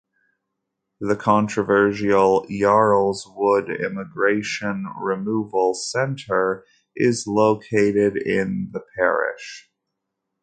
The controversial Yarl's Wood Immigration Removal Centre is located in the parish.